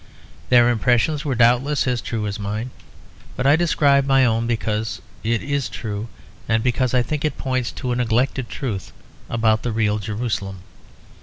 Their impressions were doubtless as true as mine; but I describe my own because it is true, and because I think it points to a neglected truth about the real Jerusalem.